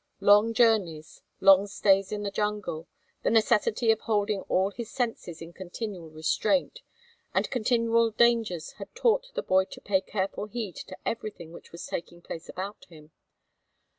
Long journeys, long stays in the jungle, the necessity of holding all his senses in continual restraint, and continual dangers had taught the boy to pay careful heed to everything which was taking place about him.